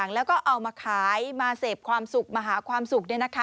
แล้วก็เอามาขายมาเสพความสุขมาหาความสุข